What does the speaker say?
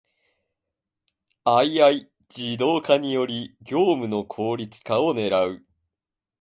ⅱ 自動化により業務の効率化を狙う